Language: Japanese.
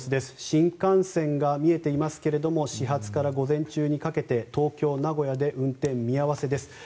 新幹線が見えていますが始発から、午前中にかけて東京名古屋で運転見合わせです。